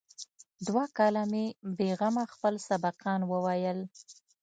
دوه کاله مې بې غمه خپل سبقان وويل.